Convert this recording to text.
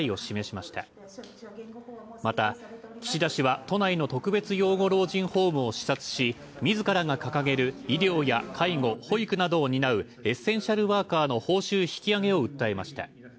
また、岸田氏は都内の特別養護老人ホームを視察し自らが掲げる「医療や介護、保育などを担うエッセンシャルワーカーの報酬引き上げ」を訴えました。